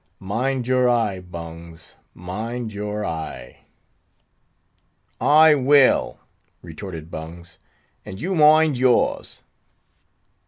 Mind your eye, Bungs—mind your eye!" "I will," retorted Bungs; "and you mind yours!"